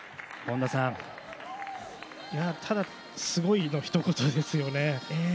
ただ、すごいのひと言ですよね。